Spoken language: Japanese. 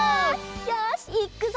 よしいくぞ！